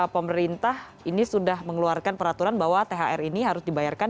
pemerintah ini sudah mengeluarkan peraturan bahwa thr ini harus dibayarkan